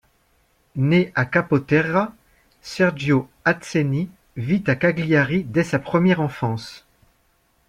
Né à Capoterra, Sergio Atzeni vit à Cagliari dès sa première enfance.